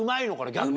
逆に。